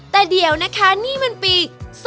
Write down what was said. แต่เดี๋ยวนะคะนี่มันปี๒๕๖